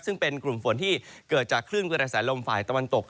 ซึ่งเป็นกลุ่มฝนที่เกิดจากคลื่นกระแสลมฝ่ายตะวันตก